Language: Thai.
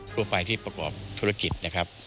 ทั่วไปที่ประกอบธุรกิจนะครับ